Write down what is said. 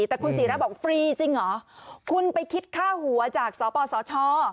แต่คุณศิราบอกฟรีจริงเหรอคุณไปคิดค่าหัวจากสปสช